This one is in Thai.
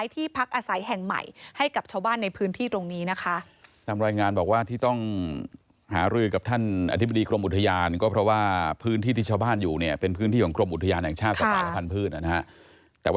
แต่ว่าชาวบ้านก็อยู่กันมานานแล้วหลายสิบปีแล้ว